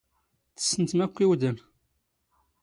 ⵜⵙⵙⵏⵜⵎ ⴰⴽⴽⵯ ⵉⵡⴷⴰⵏ.